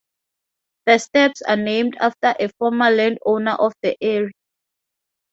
The Steps are named after a former landowner of the area.